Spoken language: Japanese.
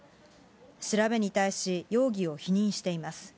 調べに対し、容疑を否認しています。